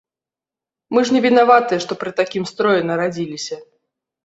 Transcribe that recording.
Мы ж не вінаватыя, што пры такім строі нарадзіліся.